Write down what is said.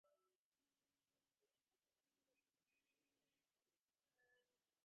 It is also extremely sensitive to the presence of lime in the soil.